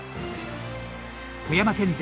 富山県勢